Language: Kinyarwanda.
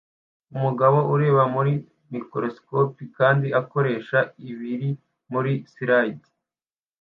Umugabo ureba muri microscope kandi akoresha ibiri muri slide